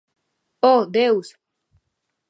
¡Oh, Deus!